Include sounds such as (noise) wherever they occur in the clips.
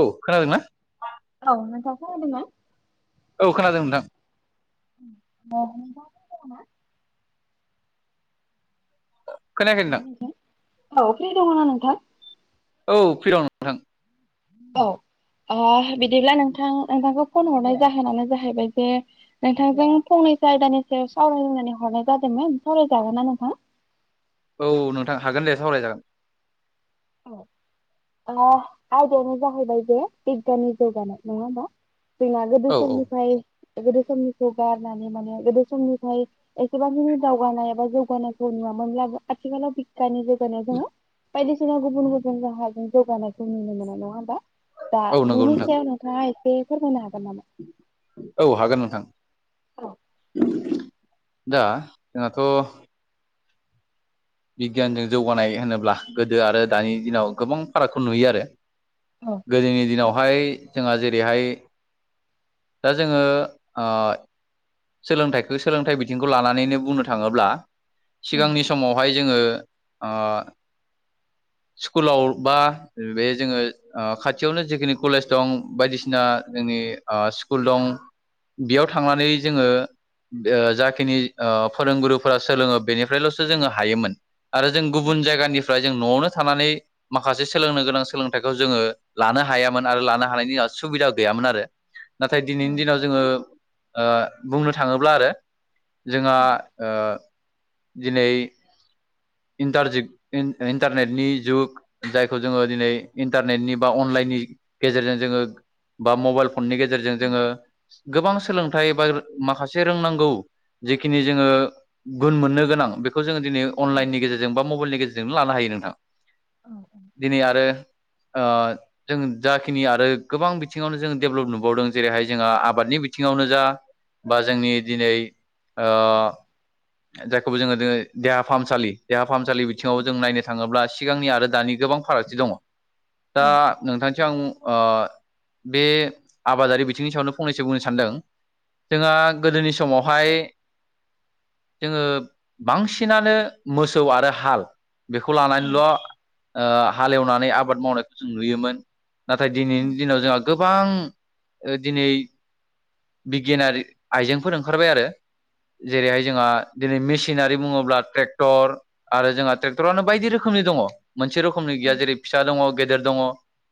औ खोनादों ना? (unintelligible) औ खोनादों नोंथां। (unintelligible) खोनायाखै नोंथां औ फ्रि दङनाा नोंथां? औ फ्रि दं। नोंथां औ बिदिब्ला नोंथां नोंथांखौ फन हरनाय जाहोनानो जाहैबाय जे नोंथांजों फंनैसो आयदानिसो सावरायलायनानै हरनाय जादोंमोन सावरायजागोन ना नोंथां? औ नोंथां हागोन दे सावरायजागोन। औ आयदायावानो जाहैबाय जे बिगियाननि जौगानाय नङा होमबा? जोंना गोदो औ औ समनिफ्राय गोदो समनिखौ गारनानै माने गोदो समनिफ्राय एसेबां जोंनि दावगानाय एबा जौगानायखौ नुवामोनब्लाबो आथिखालाव बिगियाननि जगोना जोङो बायदिसिना गुबुन गुबुन राहाजों जौगानायखौ नुनो मोना नङा होमबा? दा औ नंगौ बिनि नोंथां सायावनो नोंथाङा एसे फोरमायनो हागोन नामा? औ हागोन नोंथां। औ। दा जोंनाथ' बिगियानजों जौगानाय होनोब्ला गोदो आरो दानि दिनाव गोबां फारागखौ नुयो आरो। गोदोनि दिनावहाय जोंहा जेरैहाय दा जोङो ओ सोलोंथाइखौ सोलोंथाइ बिथिंखौ लानानैनो बुंनो थाङोब्ला, सिगांनि समावहाय जोङो स्कुलाव बा बे जोङो खाथियावनो जिखिनि कलेज दं बायदिसिना जोंनि स्कुल दं बेयाव थांनानै जोङो जाखिनि फोरोंगुरुफोरा सोलोङो बेनिफ्रायल'सो जोङो हायोमोन। आरो जों गुबुन जायगानिफ्राय जों न'आवनो थानानै माखासे सोलोंनो गोनां सोलोंथाइखौ जोङो लानो हायामोन आरो लानो हानायनि उन सुबिदा गैयामोन आरो। नाथाय दिनैनि दिनाव जोङो बुंनो थाङोब्ला आरो, जोंहा दिनै इन्टारनेटनि जुग जायखौ जोङो दिनै इन्टारनेटनि बा अनलाइननि गेजेरजों जोङो बा मबाइल फननि गेजेरजों जोङो गोबां सोलोंथाइ बा माखासे रोंनांगौ जिखिनि जोङो गुन मोननो गोनां बे खौ जोङो दिनै अनलाइननि गेजजों बा मबाइलनि गेजेरजोंनो लानो हायो नोंथां। दिनै आरो जों जाखिनि आरो गोबां बिथिङावनो जों डेभेलप नुबावदों जेरैहाय जोंहा आबादनि बिथिङावनो जा बा जोंनि दिनै जायखौबो जोङो दि देहा फाहामसालि देहा फाहामसालि बिथिङाव जों नायनो थाङोब्ला सिगांनि आरो दानि गोबां फारागथि दङ। दा नोंथां आं बे आबादारि बिथिंनि सायावनो फंनैसो बुंनो सानदों। जोंहा गोदोनि समावहाय जोङो बांसिनानो मोसौ आरो हाल बेखौ लानानैल' हालेवनानै आबाद मावनायखौ जों नुयोमोन। नाथाय दिनैनि दिनाव जोंहा गोबां दिनै बिगियानारि आइजेंफोर ओंखारबाय आरो। जेरैहाय जोंहा दिनै मेसिनारि बुङोब्ला ट्रेक्टर। आरो जोंहा ट्रेक्टरानो बायदि रोखोमनि दङ मोनसे रोखोमनि गैया जेरै फिसा दङ गेदेर दङ।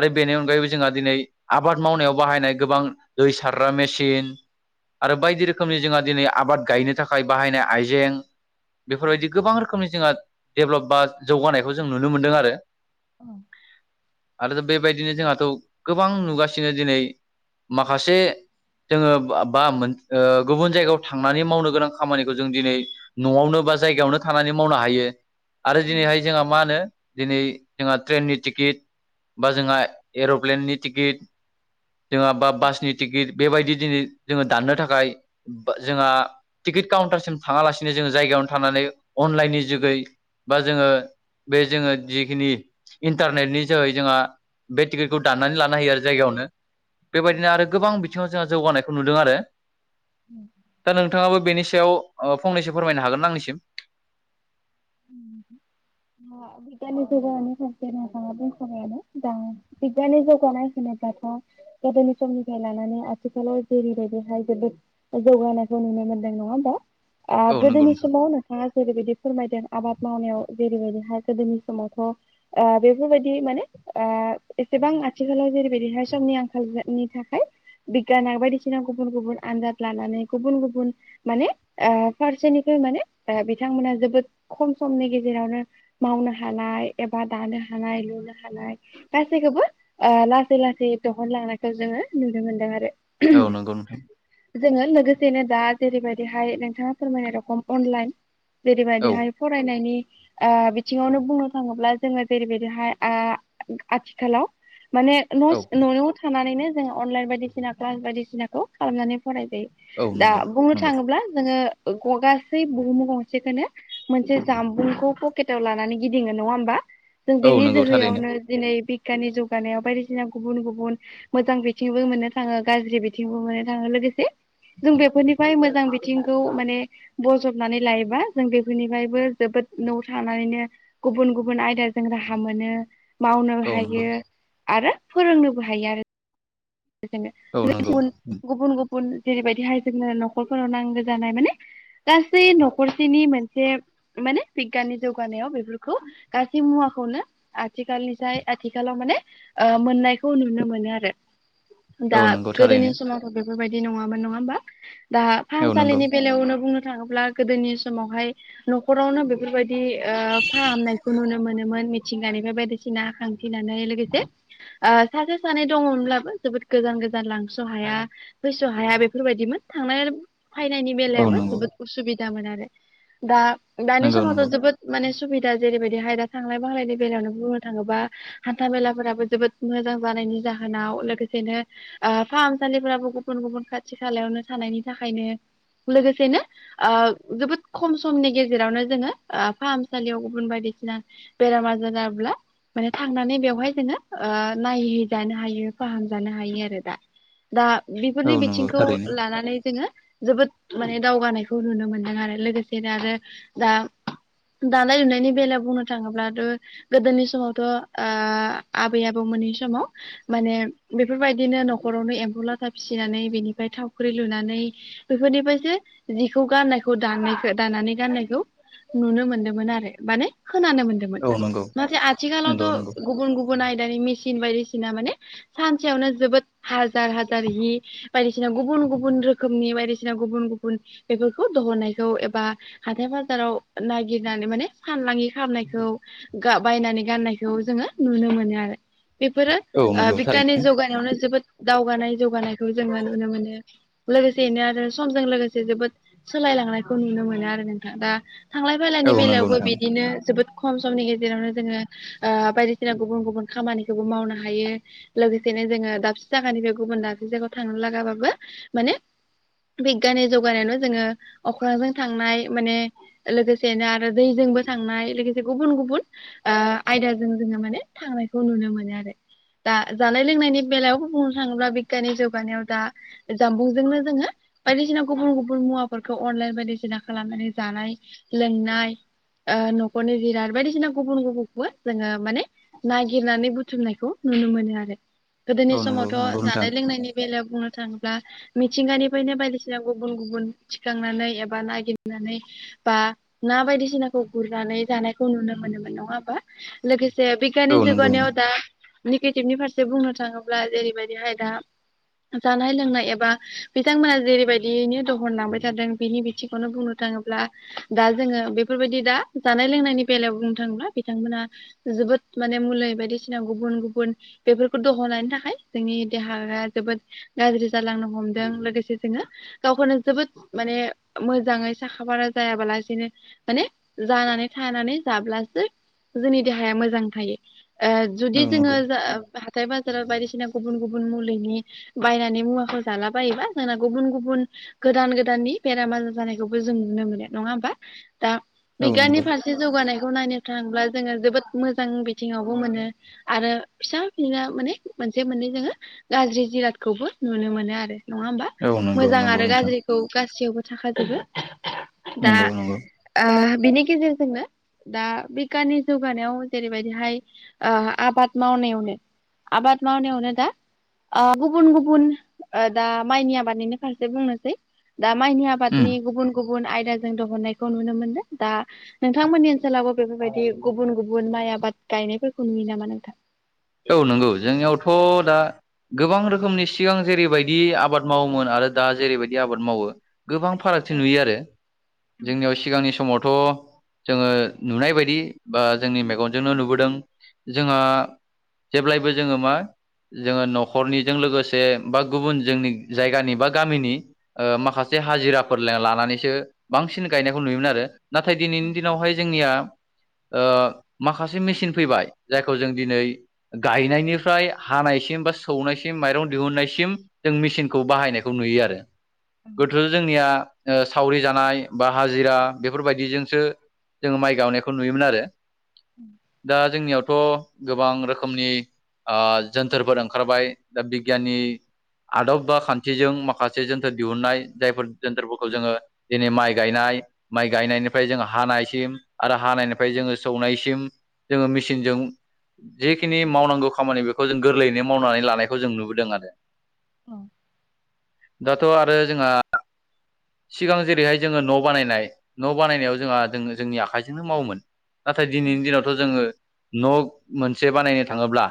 आरो बेनि अनगायैबो जोंहा दिनै आबाद मावनायाव बाहायनाय गोबां दै सारग्रा मेसिन आरो बायदि रोखोमनि जोंहा दिनै आबाद गायनो थाखाय बाहायनाय आइजें बेफोरबायदि गोबां रोखोमनि जोंहा डेभेलप बा जौगानायखौ जों नुनो मोनदों आरो। औ आरो बेबायदिनो जोंहाथ' गोबां नुगासिनो दिनै माखासे जोङो बा गुबुन जायगायाव थांनानै मावनो गोनां खामानिखौ जों दिनै न'आवनो बा जायगायावनो थानानै मावनो हायो आरो दिनैहाय जोंहा मा होनो। दिनै जोंहा ट्रेननि टिकेट बा जोंहा एर'प्लेननि टिकेट जोंहा बा बासनि टिकेट बेबायदि दिनै जोङो दाननो थाखाय जोंहा टिकेट काउन्टारसिम थाङालासिनो जोङो जायगायावनो थानानै अनलाइननि जुगै बा जोङो बे जोङो जिखिनि इन्टारनेटनि जोहै जोंहा बे टिकेटखौ दाननानै लानो हायो आरो जायगायावनो। बेबायदिनो आरो गोबां बिथिङाव जोंहा जौगानायखौ नुदों आरो। उ दा नोंथाङाबो बेनि सायाव फंनैसो फोरमायनो हागोन ना आंनिसिम। (unintelligible) बिगियाननि जुगाव (unintelligible) गोदनि समनिफ्राय लानानै आथिखाल जेरैबायदिहाय जोबोद। जौगानायखौ नुनो मोनदों नङा होमबा औ नंगौ गोदोनि नोंथां समाव नोंथाङा जेरैबायदि फोरमायदों आबाद। मावनायाव जेरैबायदिहाय गोदोनि समावथ' बेफोरबायदि माने एसेबां आथिखालाव जेरैबायदिहाय समनि आंखालनि थाखाय बिगियान बायदिसिना गुबुन गुबुन आनजाद लानानै गुबुन गुबुन। माने फारसेनिफ्राय माने बिथांमोना जोबोद खम। समनि गेजेरावनो मावनो हानाय एबा दानो हानाय लुनो हानाय। गासैखौबो लासै लासै दिहुनलांनायखौ जोङो नुनो मोनदों आरो। औ नंगौ नाय। जोङो लोगोसेनो दा जेरैबायदिहाय नोंथाङा फोरमायनाय रखम अनलाइन औ जेरैबायदिहाय फरायनायनि बिथिङावनो बुंनो थाङोब्ला जोङो जेरैबायदिहाय आथिखालाव माने न' औ न'आव थानानैनो जोङो अनलाइन बायदिसिना क्लास बायदिसिनाखौ खालामनानै फराय औ जायो दा नंगौ बुंनो नंगौ थाङोब्ला जोङो गासै बुहुमु गंसेखौनो मोनसे जामबुंखौ पकेटाव लानानै गिदिङो नङा होमबा जों औ बेनि नंगौ थारैनो जोहैयावनो दिनै बिगियाननि जौगानायाव बायदिसिना गुबुन गुबुन मोजां बिथिंबो मोननो थाङो गाज्रि बिथिंबो मोननो थाङो लोगोसे जों बेफोरनिफ्राय मोजां बिथिंखौ माने बजबनानै लायोबा जों बे निफ्रायबो जोबोद न'आव थानानैनो गुबुन गुबुन आयदाजों राहा मोनो। मावनोबो औ नंगौ हायो आरो फोरोंनोबो हायो आरो। औ नंगौ गुबुन गुबुन गुबुन जेरैबायदि हायार सेकेण्डारि न'खरफोराव नांगौ जानाय माने गासै न'खरसेनि मोनसे माने बिगियाननि जौगानायाव बेफोरखौ गासै मुवाखौनो आथिखालनिफ्राय आथिखालाव माने मोननायखौ नुनो मोनो आरो। दा औ नंगौ गोदोनि थारैनो समावथ' बेफोरबायदि नङामोन नङा होमबा दा औ नंगौ फाहामसालिनि बेलायावनो बुंनो। थाङोब्ला गोदोनि समावहाय नखरावनो बेफोरबायदि फाहामनायखौ नुनो मोनोमोन। मिथिंगानिफ्राय बायदिसिना खांथिनानै लोगोसे सासे सानै दङमोनब्लाबो। जोबोद गोजान गोजान लांस' हाया फैस' हाया बेफोरबायदिमोन थांनाय फायनायनि औ बेलायाबो नंगौ जोबोद उसुबिदामोन आरो दा दानि नंगौ नंगौ समावथ' जोबोद। माने सुबिदा जेरैबायदिहाय दा थांलाय फांलायनि बेलायावनो बुंनो थाङोबा हान्था मेलाफोराबो जोबोद मोजां जानायनि जाहोनाव लोगोस सेनो ओ फाहामसालिफोराबो लोगोसेनो ओ जोबोद खम समनि गेजेरावनो जोङो ओ फाहामसालियाव गुबुन बायदिसिना बेराम आजार जाब्ला माने थांनानै बेवहाय जोङो ओयो नायै जानो हायो फाहाम जानो हायो आरो दा दा औ बिफोरनि नंगौ बिथिंखौ थारैनो लानानै जोङो जोबोद माने दावगानायखौ नुनो मोनदों आरो लोगोसेनो आरो दा दानाय लुनायनि बेलायाव बुंनो थाङोब्लाथ' गोदोनि समावथ' ओयो आबै आबौमोननि समाव माने बेफोरबायदिनो न'खरावनो एम्फौ लाथा फिसिनानै बेनिफ्राय थावख्रि लुनानै बिफोरनिफ्रायसो जिखौ गाननायखौ दानायखौ दानानै गाननायखौ नुनो मोन्दोंमोन आरो माने खोनानो मोन दोंमोन औ नंगौ नाथाय आथिखालावथ' नंगौ नंगौ गुबुन गुबुन आयदानि मिसिन बायदिसिना माने सानसेयावनो जोबोद हाजार हाजार हि बायदिसिना गुबुन गुबुन रोखोमनि बायदिसिना गुबुन गुबुन बेफोरखौ दहननायखौ एबा हाथाय फाजाराव नागिरनानै माने फानमानि खालामनायखौ गा बायनानै गाननायखौ जोङो नुनो मोनो आरो बेफोरो औ नंगौ थारैनो। माने जौगानायावनो जोबोद दावगानाय जौगानायखौ जोङो नुनो मोनो। लोगोसेैनो आरो समजों लोगोसे जोबोद सोलायलांनायखौ नुनो मोनो आरो नोंथाङा दा थांलाय औ फालानि नंगौ बेलायावबो नोंथां बिदिनो जोबोद खम समनि गेजेरावनो जोङो ओ बायदिसिना गुबुन गुबुन खामानिखौबो मावनो हायो। लोगोसेनो जोङो दाबसे जागानिफ्राय गुबुन दाबसे जायगायाव थांनो लागाबाबो माने बिगानि जौगानायाल जोङो अख्रांजों थांनाय माने लोगोसेनो आरो दैजोंबो थांनाय लोगोसे गुबुन गुबुन ओ आयदाजों जोङो माने थांनायखौ नुनो मोनो आरो। दा जानाय लोंनायनि बेलायाव बुंनो थाङोब्ला बिगानि जौगानायाव दा जामबुंजोंनो जोङो बायदिसिना गुबुन गुबुन मुवाफोरखौ अनलाइन बायदिसिना खालामनानै जानाय लोंनाय। ओ न'खरनि जिराद बायदिसिना गुबुन गुबुनखौबो जोङो माने नागिरनानै बुथुमनायखौ नुनो मोनो आरो गोदोनि औ नंगौ समावथ' नंगौ नोंथां जानाय लोंनायनि बेलायाव बुंनो थाङोब्ला। मिथिंगानिफ्रायनो बायदिसिना गुबुन गुबुन थिखांनानै एबा नागिरनानै बा ना बायदिसिनाखौ गुरनानै जानायखौ नुनो मोनोमोन नङा होमबा लोगोसे बिग बिगानि औ नंगौ जौगानायाव दा निगिटिभनि फारसे बुंनो थाङोब्ला जेरैबायदिहाय दा जानाय लोंनाय एबा बिथांमोना जेरैबायदियैनो दहनलांबाय थादों बिनि बिथिंखौनो बुंनो थाङोब्ला दा जोङो बेफोरबायदि दा जानाय लोंनायनि बेलायाव बुंनो थाङोब्ला बिथांमोना जोबोद माने मुलै बायदिसिना गुबुन गुबुन बेफोरखौ दहननायनि थाखाय जोंनि देहाया जोबोद गाज्रि जालांनो हमदों लोगोसे जोङो गावखौनो जोबोद माने मोजाङै साखा फारा जायाबालासिनो माने जानानै थानानै जाब्लासो जोंनि देहाया मोजां थायो। ओ जुदि औ जोङो नंगौ जा हाथाय बाजाराव बायदिसिना गुबुन गुबुन मुलिनि बायनानै मुवाखौ जाला बायोबा जोंना गुबुन गुबुन गोदान गोदाननि बेराम आजार जानायखौबो जों नुनो मोनो नङा होमबा दा औ बिगानि नंगौ फारस थि जौगानायखौ नायनो थाङोब्ला जोङो जोबोद मोजां बिथिङावबो मोनो आरो फिसा बिना माने मोनसे मोननै जोङो गाज्रि जिरादखौबो नुनो मोनो आरो। नङा होमबा औ नंगौ मोजां नंगौ आरो नोंथां गाज्रि खौ गासियावबो थाखाजोबो दा नंगौ नंगौ ओ बिनि गेजेरजोंनो दा बिगानि जौगानायाव जेरैबायदिहाय ओ आबाद मावनायावनो आबाद मावनायावनो दा आ गुबुन गुबुन ओ दा माइनि आबादनिनो फारसे बुंनोसै। दा माइनि आब उम बादनि गुबुन गुबुन आयदाजों दहननायखौ नुनो मोनदों। दा नोंथांमोननि ओनसोलावबो बेफोरबायदि गुबुन गुबुन माइ आबाद गायनायफोरखौ नुयो नामा नोंथां? औ नंगौ जोंनियावथ' दा गोबां रोखोमनि सिगां जेरैबायदि आबाद मावोमोन आरो दा जेरैबायदि आबाद मावो। गोबां फारागथि नुयो आरो जोंनियाव सिगांनि समावथ' जोङो नुनाय बायदि बा जोंनि मेगनजोंनो नुबोदों जोङा जेब्लायबो जोङो मा जोङो न'खरनिजों लोगोसे बा गुबुन जोंनि जायगानि बा गामिनि ओ माखासे हाजिराफोर ला-लानानैसो बांसिन गायनायखौ नुयोमोन आरो। नाथाय दिनैनि दिनावहाय जोंनिया ओ माखासे मेसिन फैबाय जायखौ जों दिनै ओ गायनायनिफ्राय हानायसिम बा सौनायसिम माइरं दिहुननायसिम जों मेचिनखौ बाहायनायखौ नुयो आरो। गोदोथ' जोंनिया ओ सावरि जानाय बा हाजिरा बेफोरबायदि जोंसो जोङो माइ गावनायखौ नुयोमोन आरो। (inaudible) दा जोंनियावथ' गोबां रोख खोमनि आ जोन्थोर फोर ओंखारबाय दा बिगियाननि आदब बा खान्थिजों माखासे जोन्थोर दिहुननाय जायफोर जोन्थोर फोरखौ जोङो दिनै माइ गायनाय माइ गायनायनिफ्राय जों हानायसिम आरो हानायनिफ्राय जोङो सौनायसिम जोङो मेचिनजों जिखिनि मावनांगौ खामानि बेखौ जों गोरलैयैनो मावनानै लानायखौ जों नुबोदों आरो। औ दाथ' आरो जोङा सिगां जेरैहाय जोङो न' बानायनाय न' बानायनायाव जोंहा जों जोंनि आखाइजोंनो मावोमोन। नाथाय दिनैनि दिनावथ' जोङो न' मोनसे बानायनो थाङोब्ला।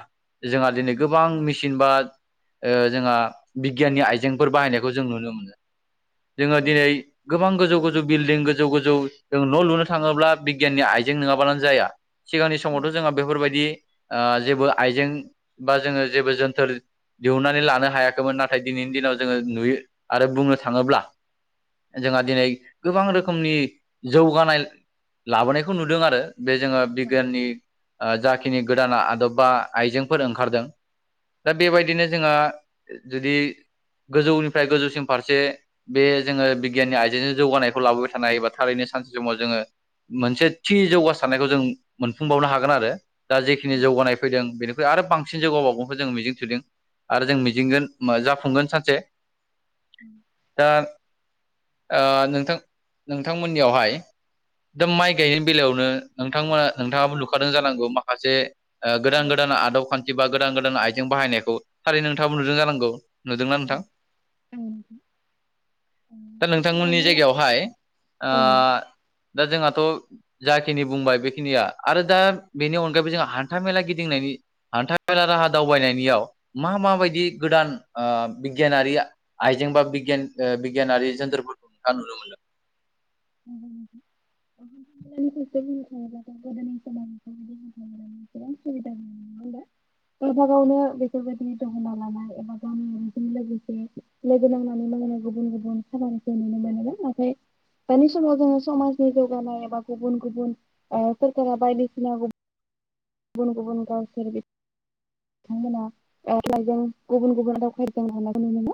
जोंहा दिनै गोबां मेचिन बा ओ जोंहा बिगियाननि आइजेंफोर बाहायनायखौ जों नुनो मोनो। जोङो दिनै गोबां गोजौ गोजौ बिलदिं गोजौ गोजौ जों न' लुनो थाङोब्ला बिगियाननि आइजें नङाब्लानो जाया। सिगांनि समावथ' जोंहा बेफोरबायदि आ‌ जेबो आइजें बा जोङो जेबो जोन्थोर दिहुननानै लानो हायाखैमोन। नाथाय दिनैनि दिनाव जोङो नुयो आरो बुंनो थाङोब्ला जोंहा दिनै गोबां रोखोमनि जौगानाय लाबोनायखौ नुदों आरो‌। बे जोङो बिगियाननि ओ जाखिनि गोदान आदब बा आइजेंफोर ओंखारदों। दा बेबायदिनो जोंहा जुदि गोजौनिफ्राय गोजौसिन फारसे बे जोङो बिगियाननि आइजेंजों जौगानायखौ लाबोबाय थानाय एबा थारैनो सानसे समाव जोङो मोनसे थि जौगासारनायखौ जों मोनफुंबावनो हागोन आरो। दा जेखिनि जौगानाय फैदों बेनि फ्राय आरो बांसिन जौगा बावगोनखौ जों मिजिं थिदों। आरो जों मिजिंगोन जाफुंगोन सानसे (inaudible) दा ओ नोंथां नोंथांमोननियावहाय दा माइ गायैनायनि बेलायावनो नोंथांमोना नोंथाङाबो लुखादों जानांगौ माखासे ओ गोदान गोदान आदब खान्थि बा गोदान गोदान आइजें बाहायनायखौ थारै नोंथाङाबो नुदों जानांगौ। नुदोंना नोंथां? ओं दा नोंथांमोननि जायगायावहाय आ दा जोंहाथ' जाखिनि बुंबाय बेखिनिया आरो दा बेनि अनगायैबो जोंहा हान्था मेला गिदिंनायनि हान्था मेला राहा दावबायनायनियाव मा माबायदि गोदान आ बिगियानारि आइजें बा बिगियान ओ बिगियानारि जोन्थोर फोरखौ नोंथाङा नुनो मोनदों। (unintelligible) गोदोनि समाव (unintelligible) (unintelligible) गावबा गावनो बेफोरबायदिनो दहना लानाय एबा गावनिजोंनो लोगोसे लोगो नांनानै मावनाय गुबुन गुबुन गोबां खामानिखौ नुनो मोनोमोन नाथाय दानि समाव जोङो समाजनि जौगानाय एबा गुबुन गुबुन सोरखारा बायदिसिना गुबुन गुबुन गावसोर बे बिथांमोना अखाइजों गुबुन गुबुन दावखजों हानांगौ नुनोमा